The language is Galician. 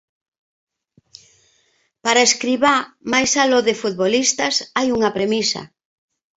Para Escribá, máis aló de futbolistas, hai unha premisa.